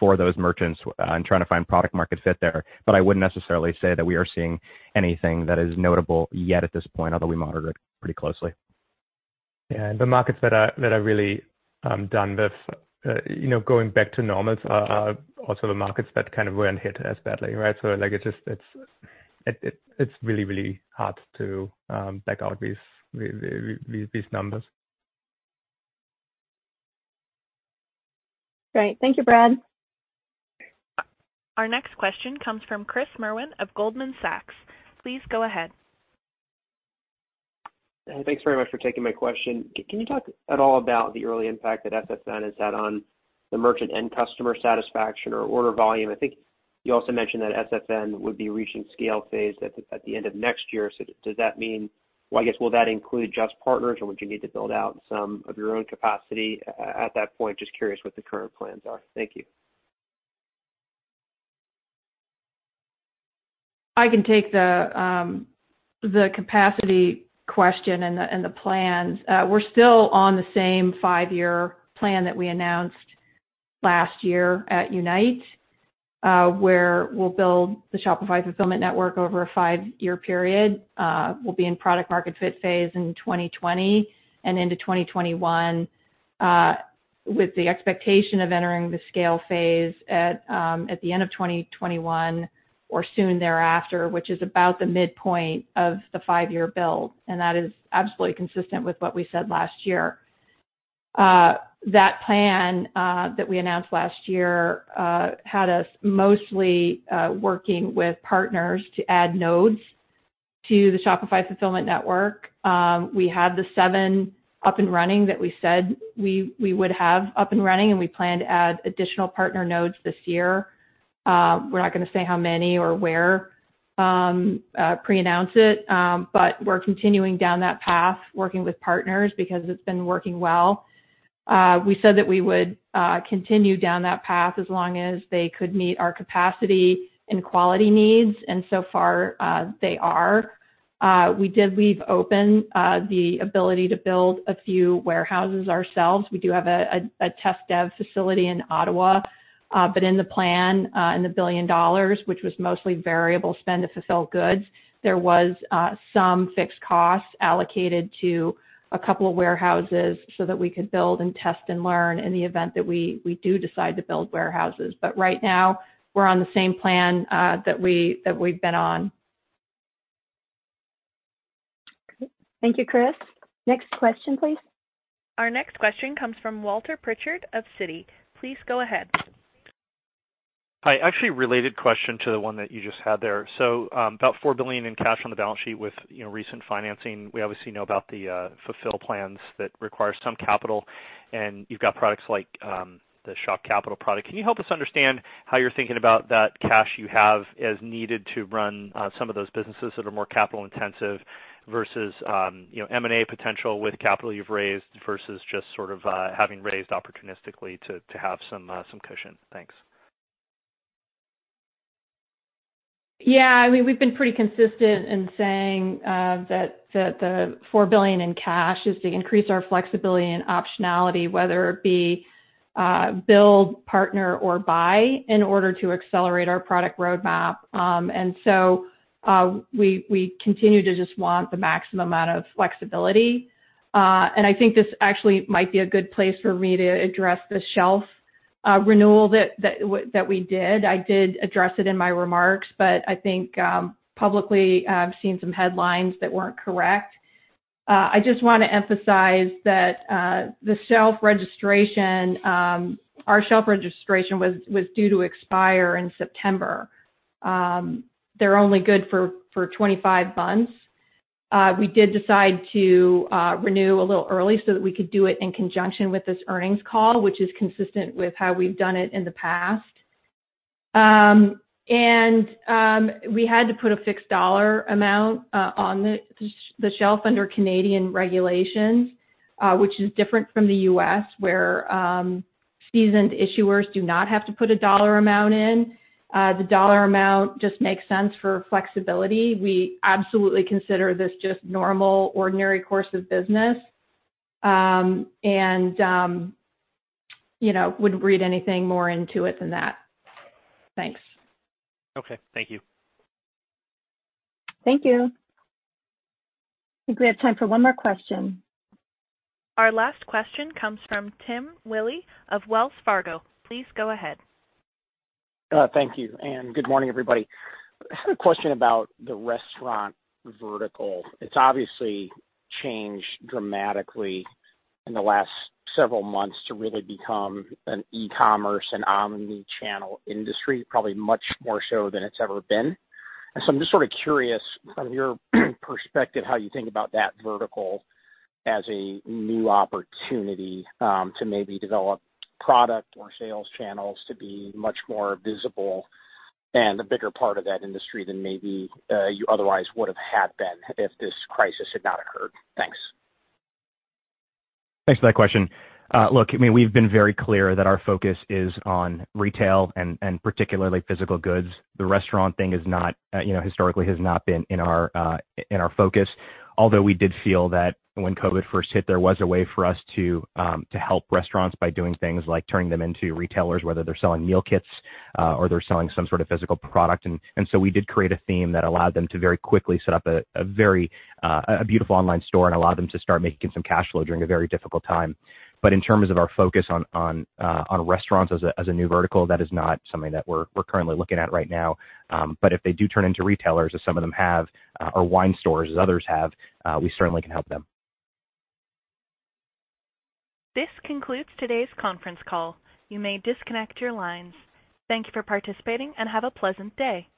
for those merchants, and trying to find product market fit there. I wouldn't necessarily say that we are seeing anything that is notable yet at this point, although we monitor it pretty closely. Yeah. The markets that are really, you know, done with going back to normal are also the markets that kind of weren't hit as badly, right? Like, it's just, it's really, really hard to back out these numbers. Great. Thank you, Brad. Our next question comes from Chris Merwin of Goldman Sachs. Please go ahead. Thanks very much for taking my question. Can you talk at all about the early impact that SFN has had on the merchant and customer satisfaction or order volume? I think you also mentioned that SFN would be reaching scale phase at the end of next year. Does that mean, well, I guess, will that include just partners, or would you need to build out some of your own capacity at that point? Just curious what the current plans are. Thank you. I can take the capacity question and the plans. We're still on the same five-year plan that we announced last year at Unite, where we'll build the Shopify Fulfillment Network over a five-year period. We'll be in product market fit phase in 2020 and into 2021, with the expectation of entering the scale phase at the end of 2021 or soon thereafter, which is about the midpoint of the five-year build. That is absolutely consistent with what we said last year. That plan that we announced last year had us mostly working with partners to add nodes to the Shopify Fulfillment Network. We have the seven up and running that we said we would have up and running, and we plan to add additional partner nodes this year. We're not gonna say how many or where, pre-announce it, but we're continuing down that path working with partners because it's been working well. We said that we would continue down that path as long as they could meet our capacity and quality needs, and so far, they are. We did leave open the ability to build a few warehouses ourselves. We do have a test dev facility in Ottawa, but in the plan, and the $1 billion, which was mostly variable spend to fulfill goods, there was some fixed costs allocated to two warehouses so that we could build and test and learn in the event that we do decide to build warehouses. Right now, we're on the same plan that we've been on. Okay. Thank you, Chris. Next question, please. Our next question comes from Walter Pritchard of Citi. Please go ahead. Hi. Actually, related question to the one that you just had there. About $4 billion in cash on the balance sheet with, you know, recent financing. We obviously know about the fulfill plans that require some capital, and you've got products like the Shopify Capital product. Can you help us understand how you're thinking about that cash you have as needed to run some of those businesses that are more capital-intensive versus, you know, M&A potential with capital you've raised, versus just sort of having raised opportunistically to have some cushion? Thanks. Yeah. I mean, we've been pretty consistent in saying that the $4 billion in cash is to increase our flexibility and optionality, whether it be, build, partner, or buy in order to accelerate our product roadmap. We continue to just want the maximum amount of flexibility. I think this actually might be a good place for me to address the shelf renewal that we did. I did address it in my remarks, but I think publicly I've seen some headlines that weren't correct. I just wanna emphasize that the shelf registration, our shelf registration was due to expire in September. They're only good for 25 months. We did decide to renew a little early so that we could do it in conjunction with this earnings call, which is consistent with how we've done it in the past. We had to put a fixed dollar amount on the shelf under Canadian regulations, which is different from the U.S., where seasoned issuers do not have to put a dollar amount in. The dollar amount just makes sense for flexibility. We absolutely consider this just normal, ordinary course of business. You know, wouldn't read anything more into it than that. Thanks. Okay. Thank you. Thank you. I think we have time for one more question. Our last question comes from Timothy Chiodo of Credit Suisse. Please go ahead. Thank you, and good morning, everybody. I had a question about the restaurant vertical. It's obviously changed dramatically in the last several months to really become an e-commerce and omni-channel industry, probably much more so than it's ever been. I'm just sort of curious from your perspective how you think about that vertical as a new opportunity to maybe develop product or sales channels to be much more visible and a bigger part of that industry than maybe you otherwise would have had been if this crisis had not occurred. Thanks. Thanks for that question. Look, I mean, we've been very clear that our focus is on retail and particularly physical goods. The restaurant thing is not, you know, historically has not been in our focus. Although we did feel that when COVID first hit, there was a way for us to help restaurants by doing things like turning them into retailers, whether they're selling meal kits or they're selling some sort of physical product. So we did create a theme that allowed them to very quickly set up a very beautiful online store and allow them to start making some cash flow during a very difficult time. In terms of our focus on restaurants as a new vertical, that is not something that we're currently looking at right now. If they do turn into retailers, as some of them have, or wine stores, as others have, we certainly can help them. This concludes today's conference call. You may disconnect your lines. Thank you for participating, and have a pleasant day.